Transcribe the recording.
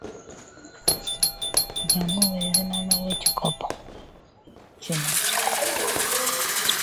Jjangu awereze maama wo ekikopo kino.